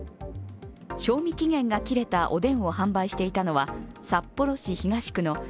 賞味期限が切れたおでんを販売していたのは札幌市東区の